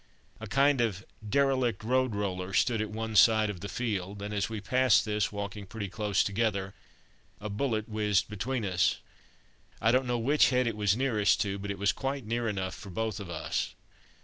A kind of derelict road roller stood at one side of the field, and as we passed this, walking pretty close together, a bullet whizzed between us. I don't know which head it was nearest to, but it was quite near enough for both of us.